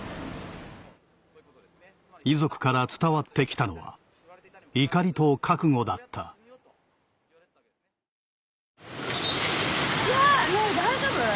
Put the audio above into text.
遺族から伝わって来たのは怒りと覚悟だった・うわねぇ大丈夫？